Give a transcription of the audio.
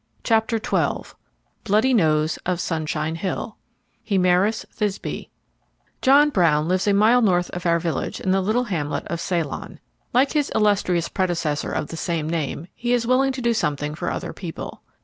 CHAPTER XII Bloody nose of Sunshine Hill: Hemaris Thysbe John Brown lives a mile north of our village, in the little hamlet of Ceylon. Like his illustrious predecessor of the same name he is willing to do something for other people.